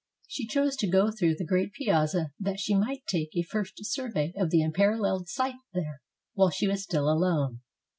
She chose to go through the great piazza that she might take a first survey of the unparalleled sight there while she was still alone.